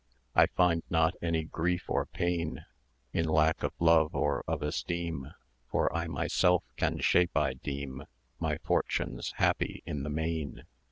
I find not any grief or pain In lack of love or of esteem; For I myself can shape, I deem, My fortunes happy in the main.